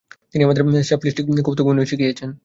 তিনি আমাদের স্ল্যাপস্টিক কৌতুকাভিনয় শিখিয়েছেন।